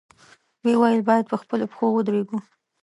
ویل یې، باید په خپلو پښو ودرېږو.